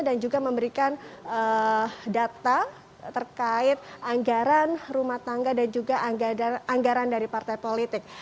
dan juga memberikan data terkait anggaran rumah tangga dan juga anggaran dari partai politik